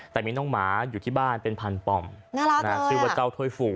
แต่มีน้องหมาอยู่ที่บ้านเป็นพันธุ์ปอมน่ารักเลยอ่ะคือวัตเจ้าโทยฝู